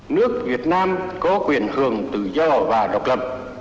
nước việt nam có quyền hưởng tự do và độc lập